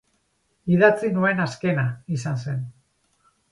Idatzi nuen azkena izan zen.